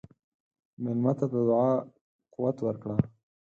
مېلمه ته د دعا قوت ورکړه.